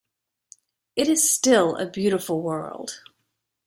It is still a beautiful world.